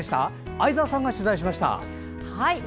相沢さんが取材しました。